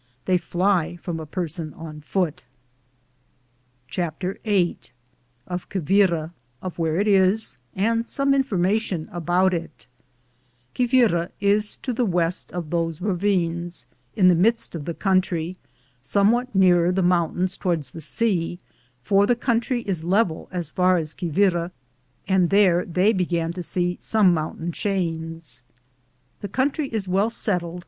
They fly from a person on foot. CHAPTER VHI Qui visa is to the west of those ravines, in the midst of the country, somewhat nearer the mountains toward the sea, for the coun try is level as far as Quivira, and there they began to see some mountain chains. The country is well settled.